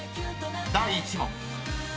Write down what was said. ［第１問］